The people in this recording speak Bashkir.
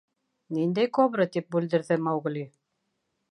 — Ниндәй кобра? — тип бүлдерҙе Маугли.